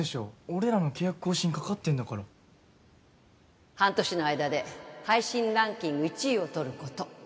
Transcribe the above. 俺らの契約更新かかってんだから半年の間で配信ランキング１位をとること